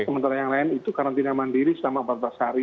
sementara yang lain itu karantina mandiri selama empat belas hari